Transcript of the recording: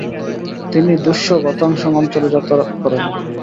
তিনি দ্বুস-গ্ত্সাং অঞ্চলে যাত্রা করেন।